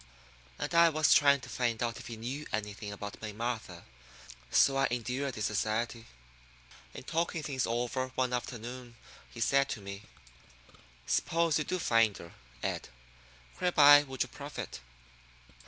And I was trying to find out if he knew anything about May Martha, so I endured his society. In talking things over one afternoon he said to me: "Suppose you do find her, Ed, whereby would you profit?